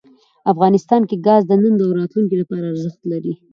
افغانستان کې ګاز د نن او راتلونکي لپاره ارزښت لري.